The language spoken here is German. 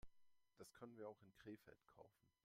Das können wir auch in Krefeld kaufen